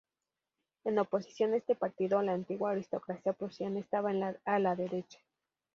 En oposición a este partido, la antigua aristocracia prusiana estaba a la derecha.